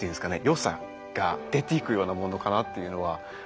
よさが出ていくようなものかなっていうのは。